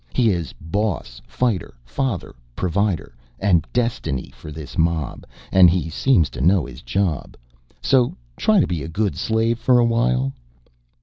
He is boss, fighter, father, provider and destiny for this mob, and he seems to know his job. So try to be a good slave for a while...."